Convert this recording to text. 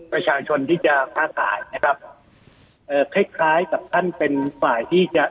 ประชาชนที่จะค้าขายนะครับเอ่อคล้ายคล้ายกับท่านเป็นฝ่ายที่จะ